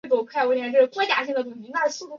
蒙特内哥罗公国的首都位于采蒂涅。